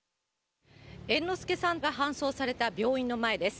猿之助さんが搬送された病院の前です。